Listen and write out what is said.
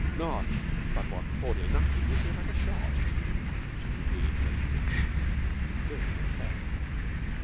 Not but what poor, dear Nutty would do it like a shot,' she concluded meditatively. Bill was impressed.